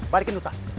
balikin tuh tas